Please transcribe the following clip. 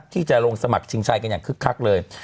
ที่จะลงสมัครชิงชัยกันอย่างคึกคักเลย